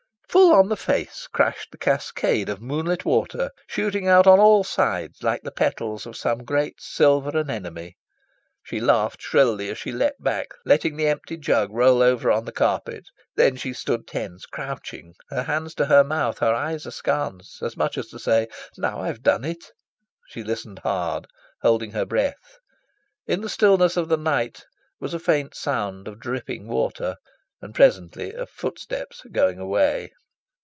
Full on the face crashed the cascade of moonlit water, shooting out on all sides like the petals of some great silver anemone. She laughed shrilly as she leapt back, letting the empty jug roll over on the carpet. Then she stood tense, crouching, her hands to her mouth, her eyes askance, as much as to say "Now I've done it!" She listened hard, holding her breath. In the stillness of the night was a faint sound of dripping water, and presently of footsteps going away.